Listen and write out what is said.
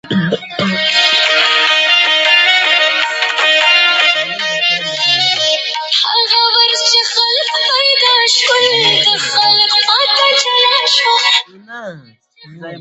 Reserve teams are excluded.